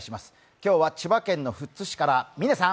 今日は千葉県富津市から嶺さん。